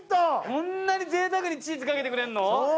こんなに贅沢にチーズかけてくれるの？